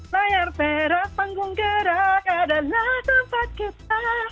layar perak panggung gerak adalah tempat kita